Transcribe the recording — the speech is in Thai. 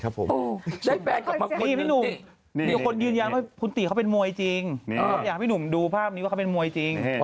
อันนี้จริงไม่จริง